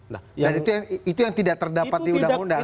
nah dan itu yang tidak terdapat di undang undang